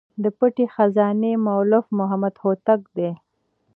د پټي خزانې مؤلف محمد هوتک دﺉ.